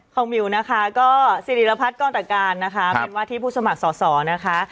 มิวนะคะก็สิริรพัฒน์กรตะการนะคะเป็นว่าที่ผู้สมัครสอสอนะคะ